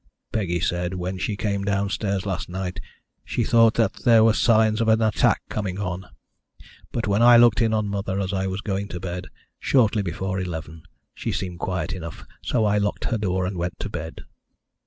"Peggy said when she came downstairs last night she thought there were signs of an attack coming on, but when I looked in on Mother as I was going to bed, shortly before eleven, she seemed quiet enough, so I locked her door and went to bed."